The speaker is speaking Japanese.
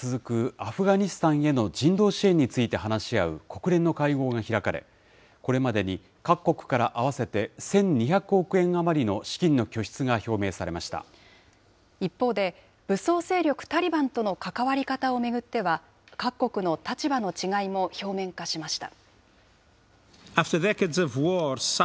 アフガニスタンへの人道支援について話し合う国連の会合が開かれ、これまでに各国から合わせて１２００億円余りの資金一方で、武装勢力タリバンとの関わり方を巡っては、各国の立場の違いも表面化しました。